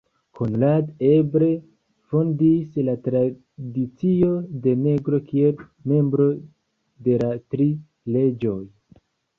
Konrad eble fondis la tradicion de negro kiel membro de la Tri Reĝoj.